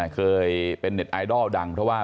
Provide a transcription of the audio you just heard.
เคยเป็นเน็ตไอดอลดังเพราะว่า